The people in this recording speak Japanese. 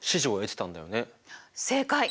正解！